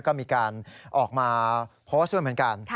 ก็มีการออกมาโพสต์ด้วยเหมือนกัน